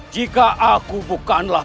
jika aku bukanlah